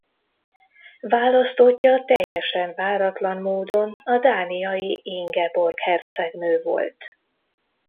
Választottja teljesen váratlan módon a dániai Ingeborg hercegnő volt.